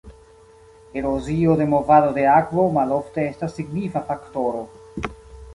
Erozio de movado de akvo malofte estas signifa faktoro.